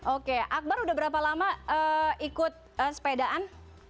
oke akbar udah berapa lama ikut sepedaan